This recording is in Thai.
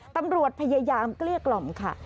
ตำรวจพยายามเกลี้ยกล่อมค่ะ